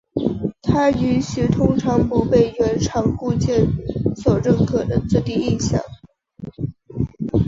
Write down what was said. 它允许通常不被原厂固件所认可的自定义项。